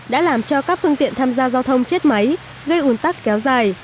đã làm cho các phương tiện tham gia giao thông chết máy gây ủn tắc kéo dài